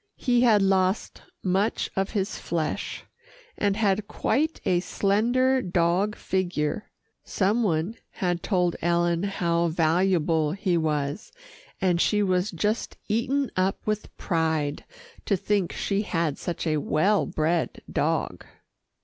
He had lost much of his flesh, and had quite a slender dog figure. Some one had told Ellen how valuable he was, and she was just eaten up with pride to think that she had such a well bred dog.